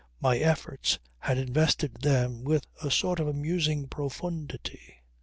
... My efforts had invested them with a sort of amusing profundity.